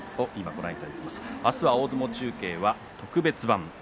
明日は大相撲中継は特別版。